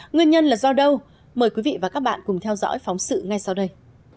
nguyên nhân là do đâu mời quý vị và các bạn cùng theo dõi phóng sự ngay sau đây